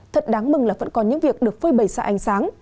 thật đáng mừng là vẫn còn những việc được phơi bầy ra ánh sáng